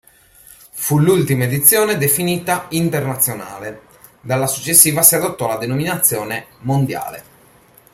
Fu l'ultima edizione definita "internazionale", dalla successiva si adottò la denominazione "mondiale".